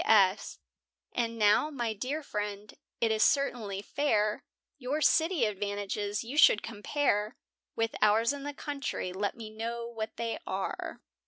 P.S. And now, my dear friend, it is certainly fair, Your city advantages you should compare With ours in the country, let me know what they are.